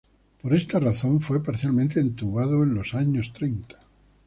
Por esta razón fue parcialmente entubado en los años treinta.